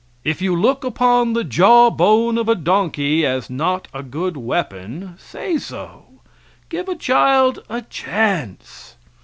If you look upon the jaw bone of a donkey as not a good weapon, say so. Give a child a chance.